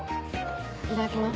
いただきます。